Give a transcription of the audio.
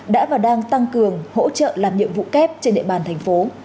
đã và đang tăng cường hỗ trợ làm nhiệm vụ kép trên địa bàn thành phố